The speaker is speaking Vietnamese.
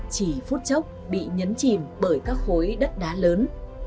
chỉ phút chốc bị nhấn chìm bởi các khối đất đá lớn